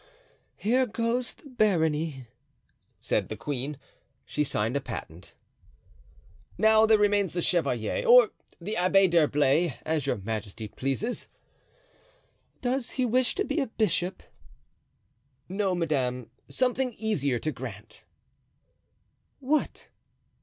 "Here goes the barony." said the queen; she signed a patent. "Now there remains the chevalier, or the Abbé d'Herblay, as your majesty pleases." "Does he wish to be a bishop?" "No, madame, something easier to grant." "What?"